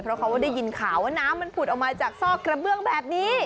เพราะเขาก็ได้ยินข่าวว่าน้ำมันผุดออกมาจากซอกกระเบื้องแบบนี้